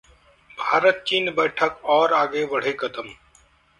भारत-चीन बैठकः और आगे बढ़े कदम